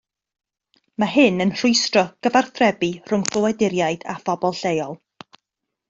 Mae hyn yn rhwystro cyfathrebu rhwng ffoaduriaid a phobl leol